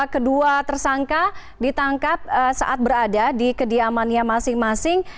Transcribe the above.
kedua tersangka ditangkap saat berada di kediamannya masing masing